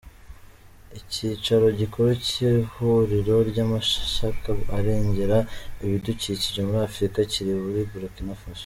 Icyicaro gikuru cy’Ihuriro ry’amashyaka arengera ibidukikije muri Afurika kiri muri Burkina Faso.